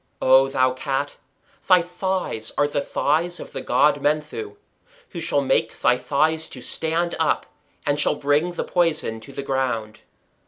O thou Cat, thy thighs are the thighs of the god Menthu, who shall make thy thighs to stand up, and shall bring the poison to the ground.